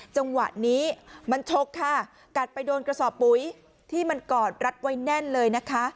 จังหวะนี้มันชกค่ะกัดไปโดนกระสอบปุ๋ยที่มันกอดรัดไว้แน่นเลยนะคะ